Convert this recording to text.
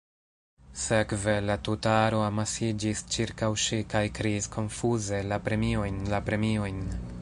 Sekve, la tuta aro amasiĝis ĉirkaŭ ŝi kaj kriis konfuze “La premiojn, la premiojn.”